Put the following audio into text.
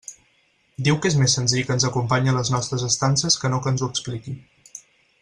Diu que és més senzill que ens acompanyi a les nostres estances que no que ens ho expliqui.